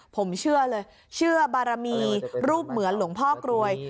ผมเชื่อเลยเชื่อบารมีรูปเหมือนหลวงพ่อกรวย